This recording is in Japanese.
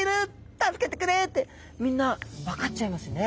助けてくれ！」ってみんな分かっちゃいますよね。